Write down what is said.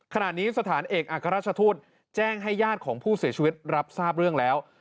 ขณะนี้สถานเอกอัครราชทูตแจ้งให้ญาติของผู้เสียชีวิตรับทราบเรื่องแล้ว